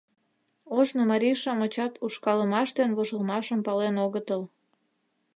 Ожно марий-шамычат ушкалымаш ден вожылмашым пален огытыл.